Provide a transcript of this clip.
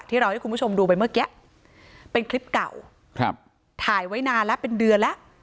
เราให้คุณผู้ชมดูไปเมื่อกี้เป็นคลิปเก่าครับถ่ายไว้นานแล้วเป็นเดือนแล้ว